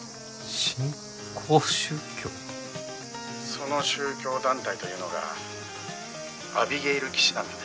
「その宗教団体というのがアビゲイル騎士団なんです」